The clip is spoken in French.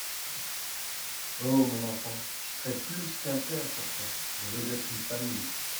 Oh ! mon enfant ! je serai plus qu'un père pour toi, je veux être une famille.